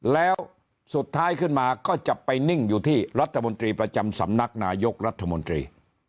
แล้วสุดท้ายขึ้นมาก็จะไปนิ่งอยู่ที่รัฐมนตรีประจำสำนักนายกรัฐมนตรี